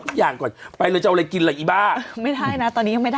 ทุกอย่างก่อนไปเลยจะเอาอะไรกินแหละอีบ้าไม่ได้น่ะตอนนี้ยังไม่ได้